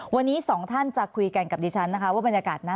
วันนี้สองท่านจะคุยกันกับดิฉันนะคะว่าบรรยากาศนั้น